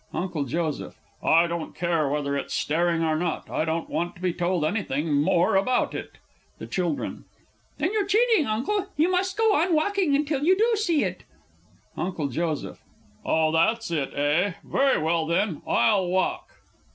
UNCLE J. I don't care whether it's staring or not I don't want to be told anything more about it. THE CHILDREN. Then you're cheating, Uncle you must go on walking till you do see it! UNCLE J. Oh, that's it, eh? Very well, then I'll walk!